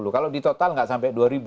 kalau di total nggak sampai dua ribu